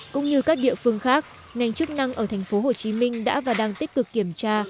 cũng như các địa phương khác ngành chức năng ở tp hcm đã và đang tích cực kiểm tra